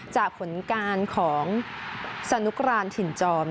จากผลการของสนุกรานถิ่นจอม